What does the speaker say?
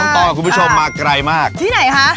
ที่ไหนคะ